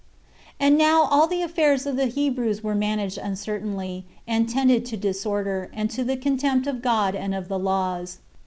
7. And now all the affairs of the Hebrews were managed uncertainly, and tended to disorder, and to the contempt of God and of the laws.